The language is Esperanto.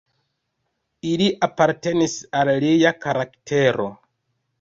Ili apartenis al lia karaktero.